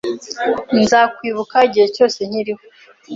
Nzakwibuka igihe cyose nkiriho.